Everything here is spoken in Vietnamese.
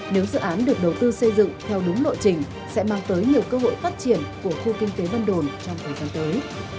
nếu dự án được đầu tư xây dựng theo đúng lộ trình sẽ mang tới nhiều cơ hội phát triển của khu kinh tế vân đồn trong thời gian tới